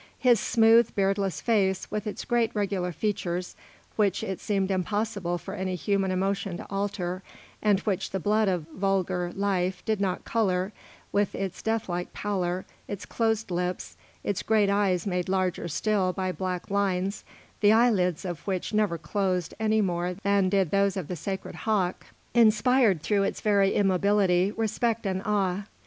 His smooth, beardless face with its great, regular features, which it seemed impossible for any human emotion to alter, and which the blood of vulgar life did not colour, with its deathlike pallor, its closed lips, its great eyes made larger still by black lines, the eyelids of which never closed any more than did those of the sacred hawk, inspired through its very immobility respect and awe.